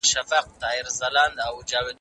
مخنیوی تل غوره انتخاب دی.